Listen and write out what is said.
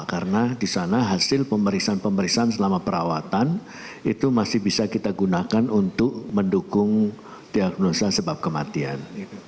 karena di sana hasil pemeriksaan pemeriksaan selama perawatan itu masih bisa kita gunakan untuk mendukung diagnosa sebab kematian